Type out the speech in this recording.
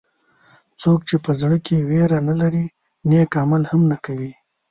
څوک چې په زړه کې وېره نه لري نیک عمل هم نه کوي.